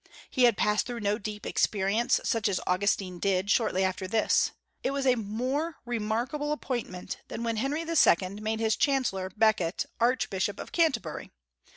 He had passed through no deep experience such as Augustine did, shortly after this. It was a more remarkable appointment than when Henry II. made his chancellor, Becket, archbishop of Canterbury.